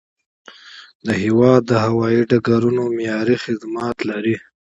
د هیواد هوایي ډګرونه معیاري خدمات لري.